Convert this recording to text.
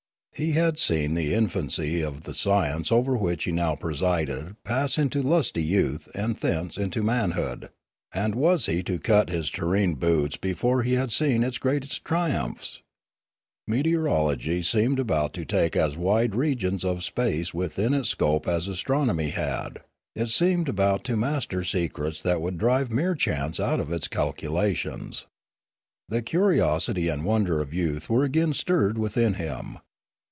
He had seen the infancy of the science over which he now presided pass into lusty youth and thence into manhood ; and was he to cut his terrene roots before he had seen its greatest triumphs? Meteorology seemed about to take as wide regions of space within its scope as astronomy bad; it seemed about to master secrets that would drive mere chance out of its calculations. The curiosity and wonder of youth were again stirred within him.